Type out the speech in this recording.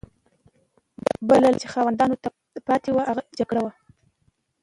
بله لار چې خاوندانو ته پاتې وه جګړه وه.